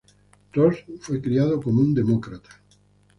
Ross fue criado como un demócrata.